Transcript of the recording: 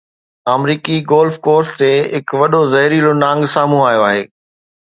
آمريڪي golf course تي هڪ وڏو زهريلو نانگ سامهون آيو آهي